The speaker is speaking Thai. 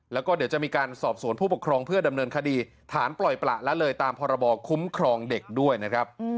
แล้วก็เดี๋ยวจะมีการสอบสวนผู้ปกครองเพื่อดำเนินคดีฐานปล่อยประละเลยตามพรบคุ้มครองเด็กด้วยนะครับ